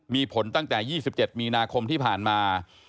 มีผลตั้งแต่๒๗มีนาคมที่ผ่านมา